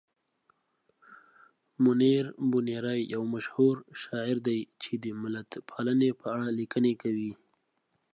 منیر بونیری یو مشهور شاعر دی چې د ملتپالنې په اړه لیکنې کوي.